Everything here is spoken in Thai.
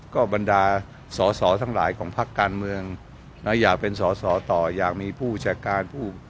ก็บรรดาสอสอทั้งหลายของพักการเมืองนะอยากเป็นสอสอต่ออยากมีผู้จัดการผู้